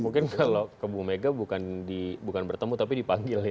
mungkin kalau ke bumega bukan bertemu tapi dipanggil ya